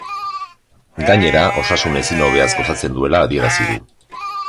Gainera, osasun ezinobeaz gozatzen duela adierazi du.